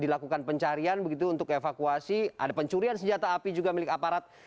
dilakukan pencarian begitu untuk evakuasi ada pencurian senjata api juga milik aparat